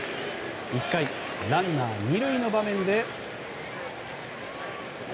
１回、ランナー２塁の場面で。